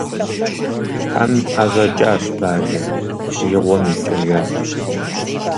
Хьэм ӏэщӏэкӏащ бажэр, и гъуэм ипкӏэжащ.